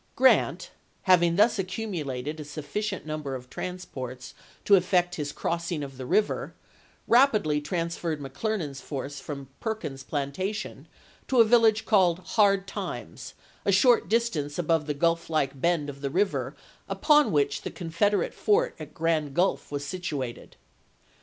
1 Grant, having thus accumulated a sufficient num ber of transports to effect his crossing of the river, rapidly transferred McClernand's force from Per kins's Plantation to a village called Hard Times, a short distance above the gulf like bend of the river upon which the Confederate fort at Grand Gulf was situated.